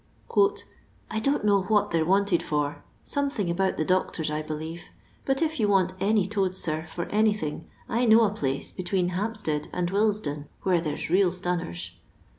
" I don't know what they 're wanted for, something about the doctors, I believe. But if you want any toads, sir, for an3rthiog, I know a pUoe between Hampstead and Willesden, where there 's real stunners."